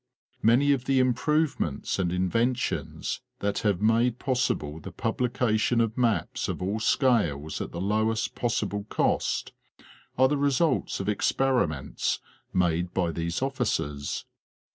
Many of the improvements and inventions that have made possible the publication of maps of all scales at the lowest pos sible cost, are the results of experiments made by these officers.